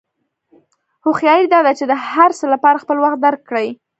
هوښیاري دا ده چې د هر څه لپاره خپل وخت درک کړې.